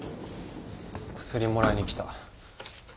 薬もらいに来た。